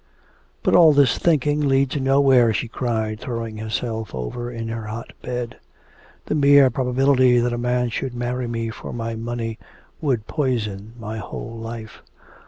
'But all this thinking leads nowhere,' she cried, throwing herself over in her hot bed. 'The mere probability that a man should marry me for my money would poison my whole life.